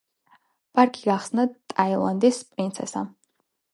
პარკი გახსნა ტაილანდის პრინცესამ.